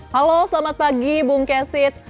halo selamat pagi bung kesit